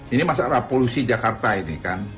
ini masalah polusi jakarta ini kan